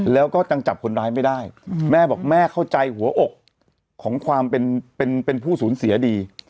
แล้วก็ยังจับคนร้ายไม่ได้แม่บอกแม่เข้าใจหัวอกของความเป็นผู้สูญเสียดี